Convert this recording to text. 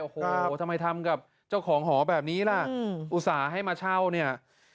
โอ้โหทำไมทำกับเจ้าของหอแบบนี้ล่ะอุตส่าห์ให้มาเช่าเนี่ย